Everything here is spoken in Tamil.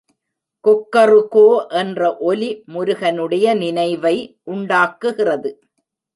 கொக்கறுகோ என்ற ஒலி முருகனுடைய நினைவை உண்டாக்குகிறது.